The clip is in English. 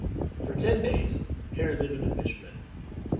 For ten days Harry lived with the fisherman.